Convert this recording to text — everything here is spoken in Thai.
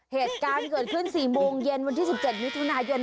เหตุการณ์เกิดขึ้น๔โมงเย็นวันที่๑๗มิถุนายน